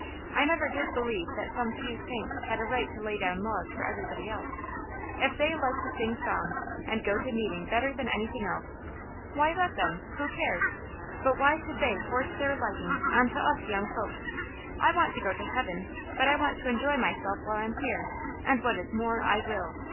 I never did believe that some few saints had a right to lay down laws for everybody else. If they like to sing psalms and go to meeting better than anything else, why, let them ; who cares ? But why should they force their likings on to us young folks ? I want to go to heaven, but I want to enjoy myself while I'm here, and what is more, I will.